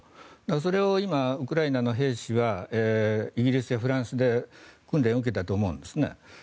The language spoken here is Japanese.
それを今、ウクライナの兵士はイギリスやフランスで訓練を受けたと思うんですね。